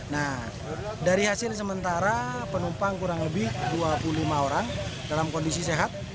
nah dari hasil sementara penumpang kurang lebih dua puluh lima orang dalam kondisi sehat